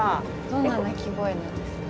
どんな鳴き声なんですか？